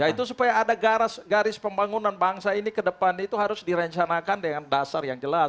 ya itu supaya ada garis pembangunan bangsa ini ke depan itu harus direncanakan dengan dasar yang jelas